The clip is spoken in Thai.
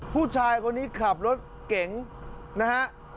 ผู้ชายคนนี้ขับรถเก๋งนะฮะ